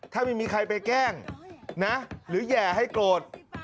เดี๋ยวไม่มีใครไปแกล้งนะหรือแย่ให้โกรษ